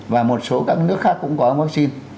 và một số các nước khác cũng có vaccine